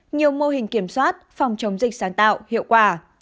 nhiều mô hình kiểm soát phòng chống dịch sáng tạo hiệu quả